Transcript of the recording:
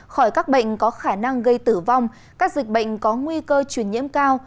khỏi các bệnh có khả năng gây tử vong các dịch bệnh có nguy cơ chuyển nhiễm cao